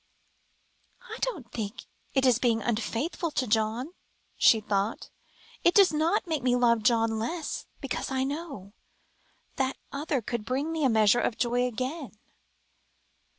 "I don't think it is being unfaithful to John," she thought; "it does not make me love John less, because I know that other could bring me a measure of joy again."